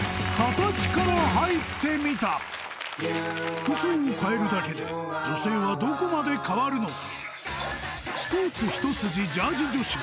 服装を変えるだけで女性はどこまで変わるのか？